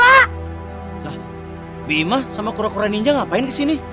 ah bima sama kura kura ninja ngapain kesini